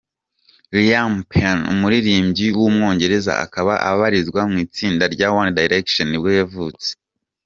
Liam Payne, umuririmbyi w’umwongereza, akaba abarizwa mu itsinda rya One Direction nibwo yavutse.